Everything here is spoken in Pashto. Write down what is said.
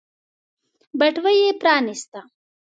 بټوه يې پرانيسته.